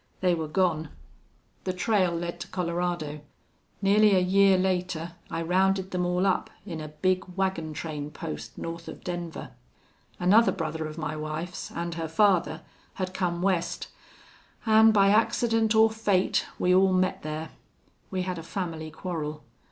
They were gone. The trail led to Colorado. Nearly a year later I rounded them all up in a big wagon train post north of Denver. Another brother of my wife's, an' her father, had come West, an' by accident or fate we all met there. We had a family quarrel.